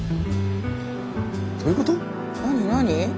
何何？